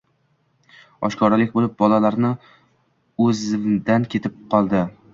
Oshkoralik bo‘lib, bolalar o‘zvdan ketib qoldi.